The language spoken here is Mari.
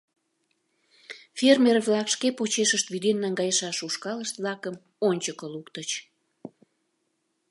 Фермер-влак шке почешышт вӱден наҥгайышаш ушкалышт-влакым ончыко луктыч.